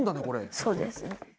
そうですね。